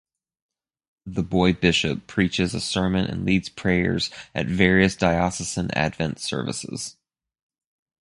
The Boy Bishop preaches a sermon and leads prayers at various Diocesan Advent services.